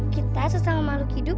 kita sesama mahluk hidup